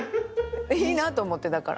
いいなと思ってだから。